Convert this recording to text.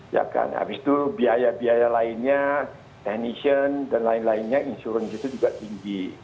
ya kan habis itu biaya biaya lainnya teknisi dan lain lainnya insuransi itu juga tinggi